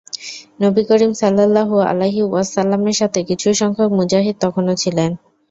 নবী করীম সাল্লাল্লাহু আলাইহি ওয়াসাল্লাম-এর সাথে কিছু সংখ্যক মুজাহিদ তখনও ছিলেন।